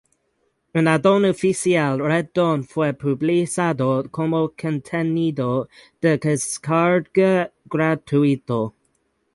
Un add-on oficial, "Red Dawn", fue publicado como contenido de descarga gratuito.